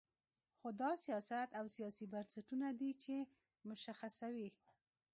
خو دا سیاست او سیاسي بنسټونه دي چې مشخصوي.